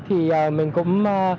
thì mình cũng